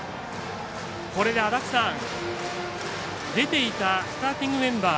これで出ていたスターティングメンバー